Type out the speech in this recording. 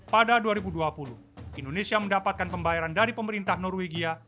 pada dua ribu dua puluh indonesia mendapatkan pembayaran dari pemerintah norwegia